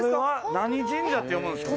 何神社って読むんですか？